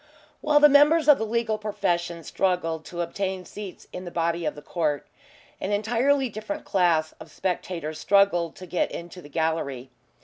While the members of the legal profession struggled to obtain seats in the body of the court, an entirely different class of spectators struggled to get into the gallery.